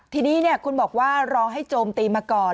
ทีนี้คุณบอกว่ารอให้โจมตีมาก่อน